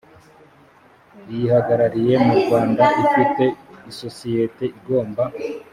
iyihagarariye mu rwanda ifite isosiyete igomba